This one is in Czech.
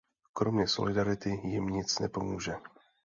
Kromě solidarity jim nic nepomůže.